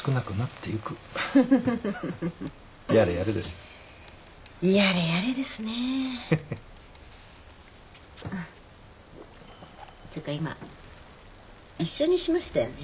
っていうか今一緒にしましたよね？